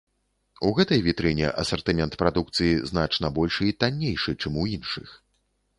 У гэтай вітрыне асартымент прадукцыі значна большы і таннейшы, чым у іншых.